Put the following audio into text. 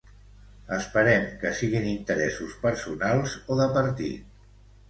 Esperem que siguin interessos personals o de partit.